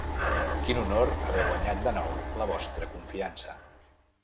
Quin honor haver guanyat de nou la vostra confiança.